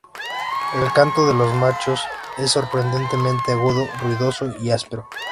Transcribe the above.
El canto de los machos es sorprendentemente agudo, ruidoso y áspero.